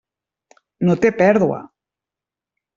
No té pèrdua.